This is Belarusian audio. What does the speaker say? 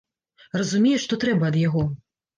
Разумее, што трэба ад яго.